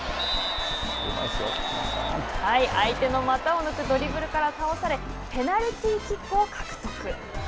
相手の股を抜くドリブルから倒されペナルティーキックを獲得。